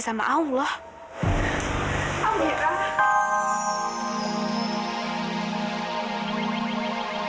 jangan lupa subscribetech fans